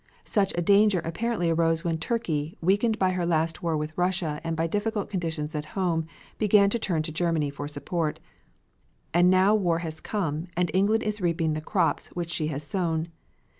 Such a danger apparently arose when Turkey, weakened by her last war with Russia and by difficult conditions at home, began to turn to Germany for support. And now war has come, and England is reaping the crops which she has sown.